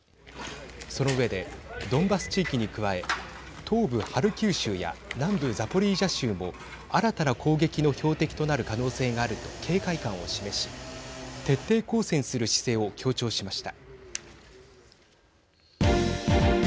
その上で、ドンバス地域に加え東部ハルキウ州や南部ザポリージャ州も新たな攻撃の標的となる可能性があると警戒感を示し徹底抗戦する姿勢を強調しました。